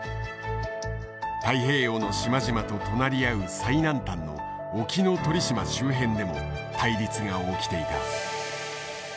太平洋の島々と隣り合う最南端の沖ノ鳥島周辺でも対立が起きていた。